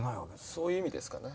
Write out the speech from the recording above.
そういう意味ですかね。